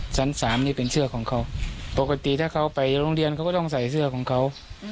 ชั้น๓นี่เป็นเสื้อของเขาปกติถ้าเขาไปโรงเรียนเขาก็ต้องใส่เสื้อของเขา